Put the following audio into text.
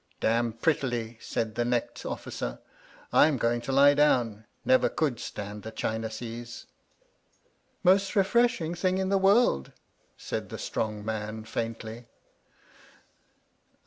'•Damn prettily," said the necked officer. ITl "I'm going to lie down. Never could stand the China seas/' "Most refreshing thing in the world," said the strong man faintly.